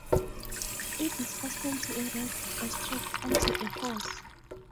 It is fastened to a rake or strapped onto a horse.